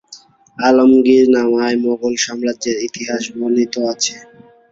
আলমগীরনামায় মুগল সাম্রাজ্যের ইতিহাস বর্ণিত আছে।